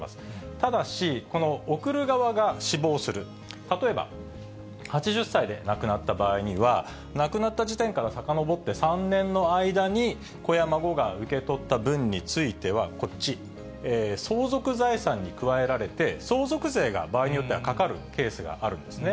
ただし、この贈る側が死亡する、例えば、８０歳で亡くなった場合には、亡くなった時点からさかのぼって３年の間に、子や孫が受け取った分については、こっち、相続財産に加えられて、相続税が、場合によってはかかるケースがあるんですね。